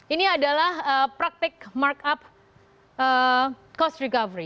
ini adalah praktik markup cost recovery